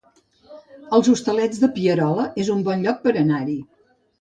Els Hostalets de Pierola es un bon lloc per anar-hi